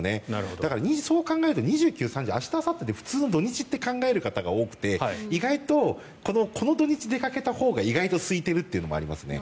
だから、そう考えると２９、３０は普通の土日って考える方が多くて意外とこの土日に出かけたほうが意外とすいているっていうのもありますね。